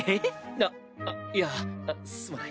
あっあっいやすまない。